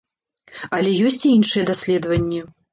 Але ёсць і іншыя даследаванні.